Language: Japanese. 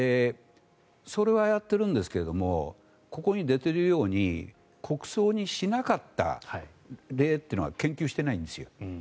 それはやっているんですがここに出ているように国葬にしなかった例というのは研究してないんですよ。